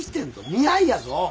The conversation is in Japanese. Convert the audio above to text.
見合いやぞ。